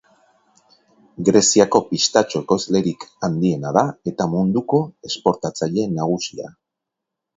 Greziako pistatxo-ekoizlerik handiena da eta munduko esportatzaile nagusia.